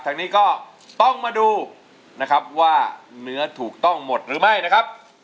ทางนี้ก็ต้องมาดูนะครับว่าเนื้อถูกต้องหมดหรือไม่นะครับ